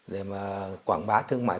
để mà quảng bá thương mại